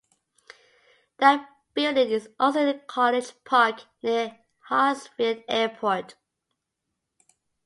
That building is also in College Park, near Hartsfield Airport.